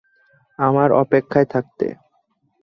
আমার অপেক্ষায় থাকতে।